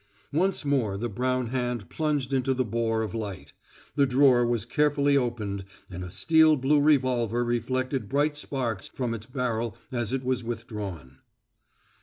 Once more the brown hand plunged into the bore of light; the drawer was carefully opened, and a steel blue revolver reflected bright sparks from its barrel as it was withdrawn.